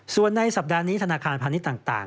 ส่วนในสัปดาห์นี้ธนาคารพันธุ์นี้ต่าง